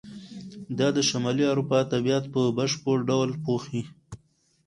دا د شمالي اروپا ادبیات په بشپړ ډول پوښي.